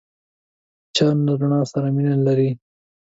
مچان له رڼا سره مینه لري